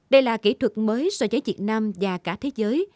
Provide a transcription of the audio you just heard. đây là kỹ thuật mới so với việt nam và cả thế giới